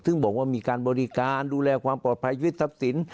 ซึ่งบอกว่ามีการบริการดูแลความปลอดภัยชีวิตทรัพย์สิน